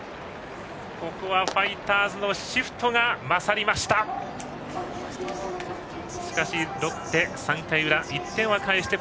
ここはファイターズのシフトが勝りました。